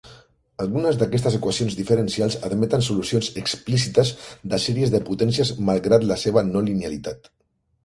Algunes d'aquestes equacions diferencials admeten solucions explícites de sèries de potències, malgrat la seva no linealitat.